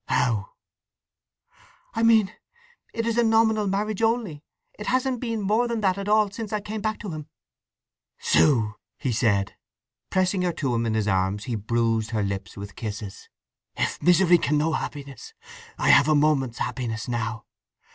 "How?" "I mean it is a nominal marriage only. It hasn't been more than that at all since I came back to him!" "Sue!" he said. Pressing her to him in his arms, he bruised her lips with kisses. "If misery can know happiness, I have a moment's happiness now!